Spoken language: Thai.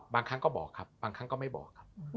บางครั้งก็บอกครับบางครั้งก็ไม่บอกครับ